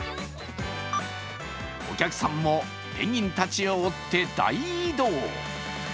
お客さんもペンギンたちを追って大移動。